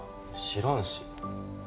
知らんし